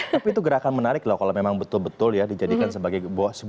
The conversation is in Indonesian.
tapi itu gerakan menarik loh kalau memang betul betul ya dijadikan sebagai sebuah